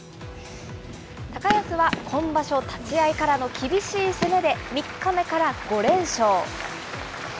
高安は今場所立ち合いからの厳しい攻めで３日目から５連勝。